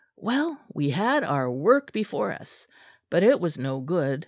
Well, we had our work before us but it was no good.